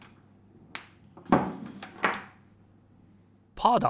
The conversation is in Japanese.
パーだ！